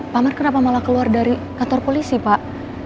pak mark kenapa malah keluar dari kantor polisi pak